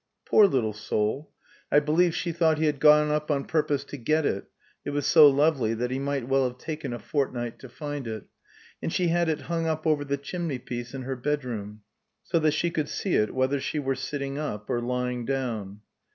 Poor little soul! I believe she thought he had gone up on purpose to get it (it was so lovely that he might well have taken a fortnight to find it); and she had it hung up over the chimney piece in her bedroom, so that she could see it whether she were sitting up or lying down.